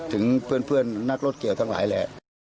ถึงเพื่อนนักรถเกี่ยวทั้งหลายแหละ